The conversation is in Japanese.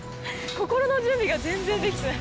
心の準備が全然できてない。